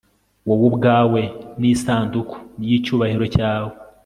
wowe ubwawe n'isanduku y'icyubahiro cyawe